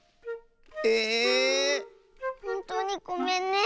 ええっ⁉ほんとうにごめんね。